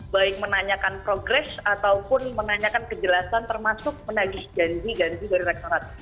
baik menanyakan progres ataupun menanyakan kejelasan termasuk menagih janji janji dari rektorat